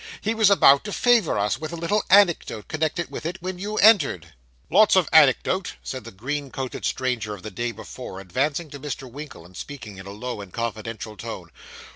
He was about to favour us with a little anecdote connected with it, when you entered.' 'Lots of anecdote,' said the green coated stranger of the day before, advancing to Mr. Winkle and speaking in a low and confidential tone.